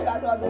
aduh aduh aduh